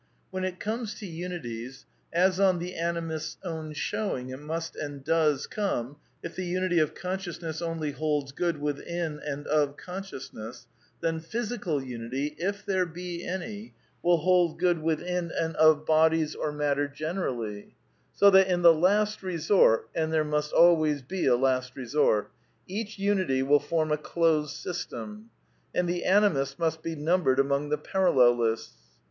When it comes to unities, as on the Animist's own show ing it must and does come, if the unity of consciousness only holds good within and of consciousness, then physical unity, if there he any, will hold good within and of bodies or matter generally; so that, in the last resort — and there must always be a last resort — each imity will form a " closed system "; and the Animist must be numbered among the parallelists.